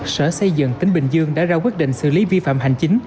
sở xây dựng tỉnh bình dương đã ra quyết định xử lý vi phạm hành chính